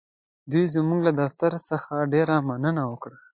دوی زموږ له دفتر څخه ډېره مننه وکړه.